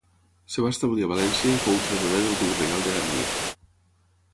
Es va establir a València i fou tresorer del duc reial de Gandia.